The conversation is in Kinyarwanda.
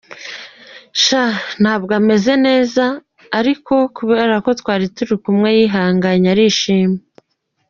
Sha ntabwo ameze neza ariko kubera ko twari kumwe yihanganye arishima.